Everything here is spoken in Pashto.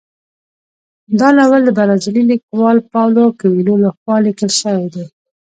دا ناول د برازیلي لیکوال پاولو کویلیو لخوا لیکل شوی دی.